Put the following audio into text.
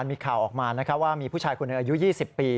มีข่าวออกมาว่ามีผู้ชายคนหนึ่งอายุ๒๐ปี